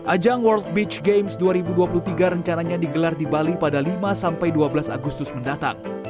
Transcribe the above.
ajang world beach games dua ribu dua puluh tiga rencananya digelar di bali pada lima sampai dua belas agustus mendatang